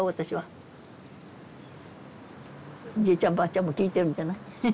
じいちゃんばあちゃんも聞いてるんじゃない？